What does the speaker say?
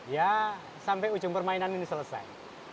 ya sampai ujung permainan ini selesai